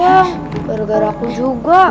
gara gara aku juga